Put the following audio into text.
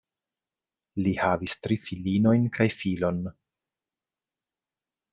Li havis tri filinojn kaj filon.